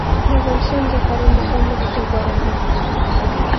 د افغانستان زعفران د خوند له مخې غوره دي